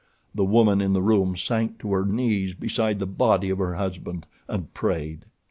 The woman in the room sank to her knees beside the body of her husband, and prayed.